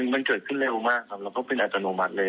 มันเกิดขึ้นเร็วมากครับแล้วก็เป็นอัตโนมัติเลย